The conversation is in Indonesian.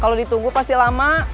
kalau ditunggu pasti lama